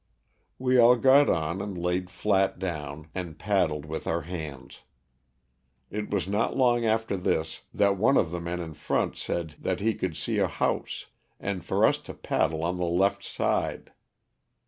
'' We all got on and laid flat down and paddled with our hands. It was not long after this that one of the men in front said that he could see a house, and for us to paddle on the left side.